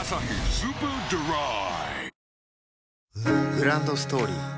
グランドストーリー